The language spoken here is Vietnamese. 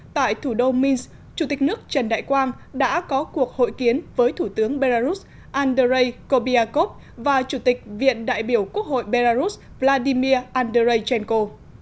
tại thủ đô minsk chủ tịch nước trần đại quang đã có cuộc hội kiến với thủ tướng belarus andrei kobiakov và chủ tịch viện đại biểu quốc hội belarus vladimir andrei jenko